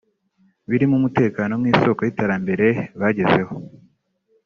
birimo umutekano nk’isoko y’iterambere bagezeho